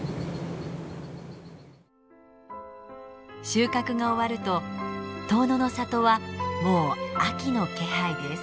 収穫が終わると遠野の里はもう秋の気配です。